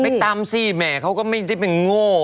ตำสิแหมเขาก็ไม่ได้เป็นโง่